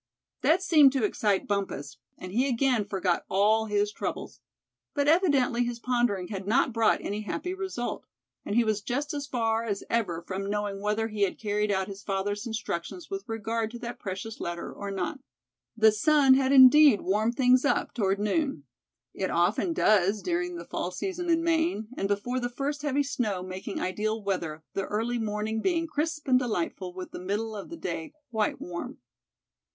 That seemed to excite Bumpus, and he again forgot all his troubles. But evidently his pondering had not brought any happy result; and he was just as far as ever from knowing whether he had carried out his father's instructions with regard to that precious letter, or not. The sun had indeed warmed things up toward noon. It often does during the fall season in Maine, and before the first heavy snow, making ideal weather; the early morning being crisp and delightful, with the middle of the day quite warm.